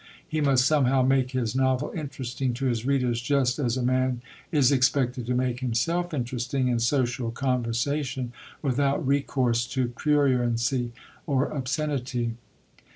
He must somehow make his novel interesting to his readers, just as a man is expected to make himself interesting in social conversation, without recourse to pruriency or obscenity.